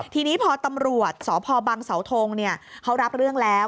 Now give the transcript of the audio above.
ทีนี้พอตำรวจสพบังเสาทงเขารับเรื่องแล้ว